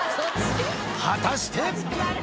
果たして。